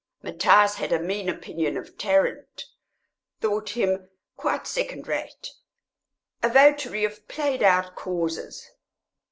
Matthias had a mean opinion of Tarrant, thought him quite second rate, a votary of played out causes.